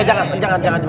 jangan jangan jangan